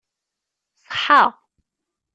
Ṣeḥḥaɣ.